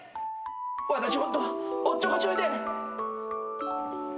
私ホントおっちょこちょいで。